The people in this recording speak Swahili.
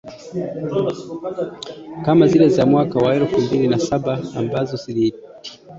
kama zile za mwaka wa elfu mbili na saba ambazo ziliitikisa Kenya.